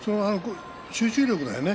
集中力だよね